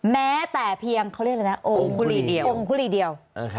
แม้แต่เพียงเขาเรียกอะไรนะองคุรีเดียว